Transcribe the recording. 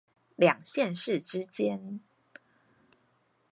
兩縣市之間